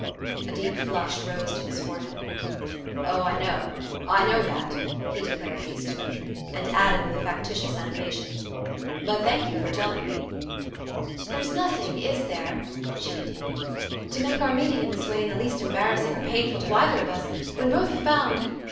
A deep flush rose to his forehead. "Oh, I know I know that " he declared hastily; and added, with a factitious animation: "But thank you for telling me." "There's nothing, is there," she continued, "to make our meeting in this way in the least embarrassing or painful to either of us, when both have found...."